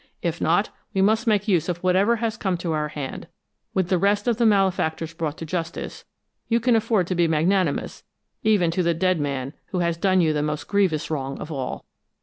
If not, we must make use of whatever has come to our hand. With the rest of the malefactors brought to justice, you can afford to be magnanimous even to the dead man who has done you the most grievous wrong of all."